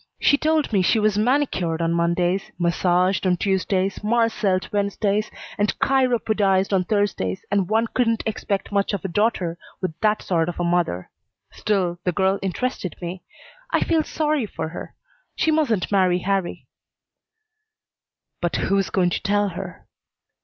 She told me she was manicured on Mondays, massaged on Tuesdays, marcelled Wednesdays, and chiropodized on Thursdays, and one couldn't expect much of a daughter with that sort of a mother; still, the girl interested me. I feel sorry for her. She mustn't marry Harrie." "But who's going to tell her?"